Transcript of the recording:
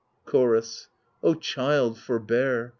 Chorus O child, forbear